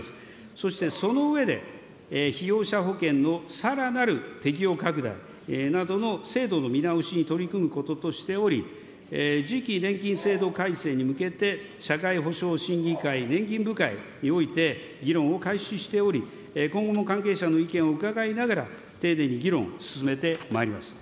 そしてその上で、被用者保険のさらなる適用拡大などの制度の見直しに取り組むこととしており、次期年金制度改正に向けて、社会保障審議会年金部会において、議論を開始しており、今後も関係者の意見を伺いながら、丁寧に議論を進めてまいります。